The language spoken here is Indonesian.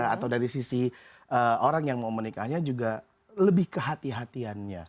atau dari sisi orang yang mau menikahnya juga lebih ke hati hatiannya